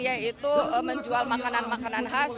yaitu menjual makanan makanan khas